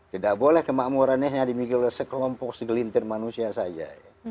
tidak boleh kemakmurannya hanya dimikirkan sekelompok segelintir manusia saja